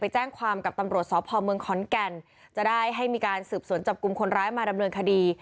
แจ้งความกับตำรวจสพเมืองขอนแก่นจะได้ให้มีการสืบสวนจับกลุ่มคนร้ายมาดำเนินคดี